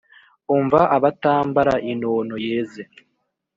umva abatambara inono yeze.